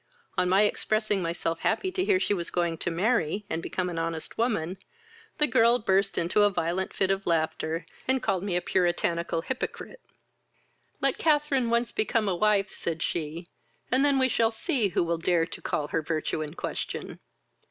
On my expressing myself happy to hear she was going to marry, and become an honest woman, the girl burst into a violent fit of laughter, and called me a puritanical hypocrite." "Let Catharine once become a wife, (said she,) and then we shall see who will dare to call her virtue in question.